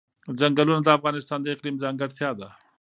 ځنګلونه د افغانستان د اقلیم ځانګړتیا ده.